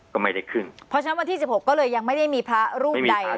ก็ไม่ได้ขึ้นเพราะฉะนั้นวันที่สิบหกก็เลยยังไม่ได้มีพระรูปใด